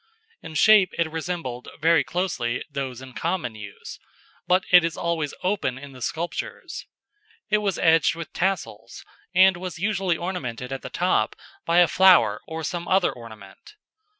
In shape it resembled, very closely, those in common use; but it is always open in the sculptures. It was edged with tassels, and was usually ornamented at the top by a flower or some other ornament.